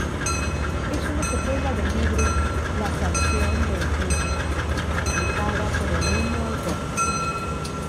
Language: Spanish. Es una secuela del libro "La sanción del Eiger", publicada por el mismo autor.